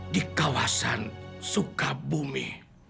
di kawasan sukabumi